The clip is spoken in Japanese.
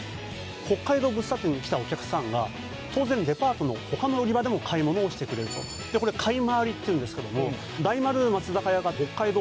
北海道物産展に来たお客さんが当然デパートの他の売り場でも買い物をしてくれるとでこれ「買い回り」っていうんですけども大丸松坂屋が北海道